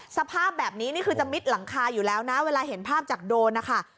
สภาพแบบนี้นี่คือจะมิดหลังคาอยู่แล้วนะเวลาเห็นภาพจากโดรนนะคะ